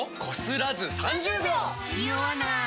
ニオわない！